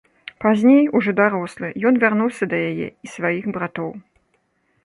Пазней, ўжо дарослы, ён вярнуўся да яе і сваіх братоў.